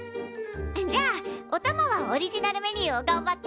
じゃあおたまはオリジナルメニューをがんばって。